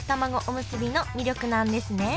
おむすびの魅力なんですね